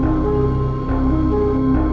dari rumah tuh